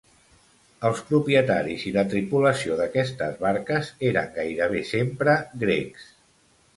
Els propietaris i la tripulació d'aquestes barques eren gairebé sempre grecs.